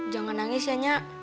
jangan nangis ya nyak